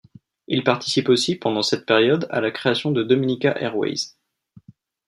Il participe aussi, pendant cette période, à la création de Dominica Airways.